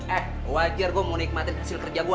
eh wajar gue mau nikmatin hasil kerja gue